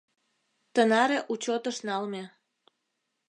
Тынаре учётыш налме.